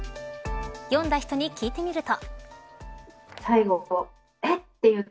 読んだ人に聞いてみると。